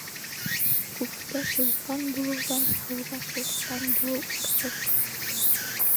Күктә Сулпан булыуҙан, һыуҙа суртан булыу артыҡ.